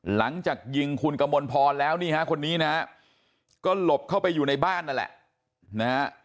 หลังจากยิงคุณกมลพรแล้วนี่ฮะคนนี้นะฮะก็หลบเข้าไปอยู่ในบ้านนั่นแหละนะฮะ